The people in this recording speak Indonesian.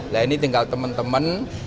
nah ini tinggal teman teman